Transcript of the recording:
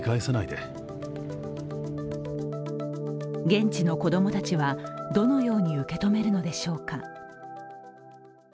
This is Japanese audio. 現地の子供たちはどのように受け止めるのでしょうか。